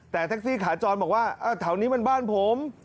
แต่แท็กซี่ขาจรบอกว่าแถวนี้มันบ้านผม